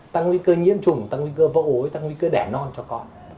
tăng nguy cơ nhiễm trùng tăng nguy cơ vỡ ối tăng nguy cơ đẻ non cho con